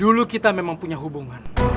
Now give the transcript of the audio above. dulu kita memang punya hubungan